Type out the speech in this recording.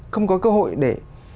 không có cơ hội để